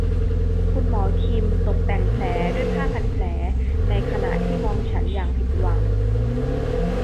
คุณหมอคิมตกแต่งแผลด้วยผ้าพันแผลในขณะที่มองฉันอย่างผิดหวัง